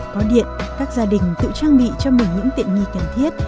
có điện các gia đình tự trang bị cho mình những tiện nghi cần thiết